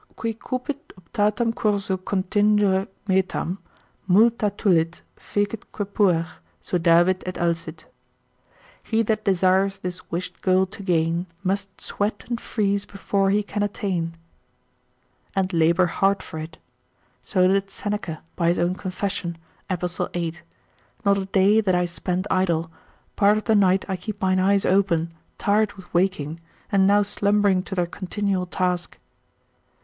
Qui cupit optatam cursu contingere metam, Multa tulit, fecitque puer, sudavit et alsit. He that desires this wished goal to gain, Must sweat and freeze before he can attain, and labour hard for it. So did Seneca, by his own confession, ep. 8. Not a day that I spend idle, part of the night I keep mine eyes open, tired with waking, and now slumbering to their continual task.